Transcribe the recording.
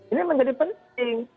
ini menjadi penting